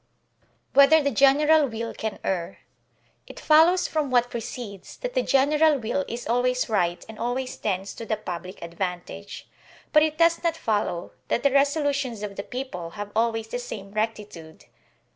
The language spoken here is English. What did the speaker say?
Whether the General Will can Err. It follows from what precedes that the general will is always right and always tends to the public advantage; but it does not follow that the resolutions of the people have always the same rectitude.